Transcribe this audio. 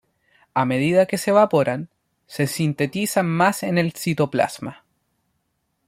A medida que se evaporan, se sintetizan más en el citoplasma.